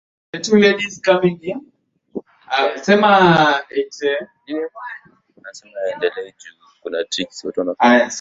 Desemba ni msimu wa mvua